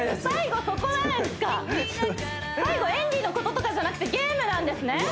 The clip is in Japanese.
最後演技のこととかじゃなくてゲームなんですね？